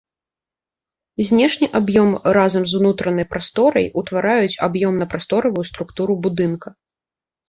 Знешні аб'ём разам з унутранай прасторай ўтвараюць аб'ёмна-прасторавую структуру будынка.